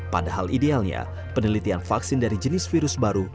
padahal idealnya penelitian vaksin dari jenis virus baru